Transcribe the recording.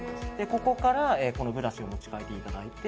ここからブラシを持ち替えていただいて